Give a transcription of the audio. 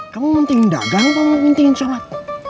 kamu mendingin dagang atau mendingin sholat